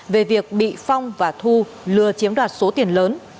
về việc bị phong và thu lừa chiếm đoạt số tiền lớn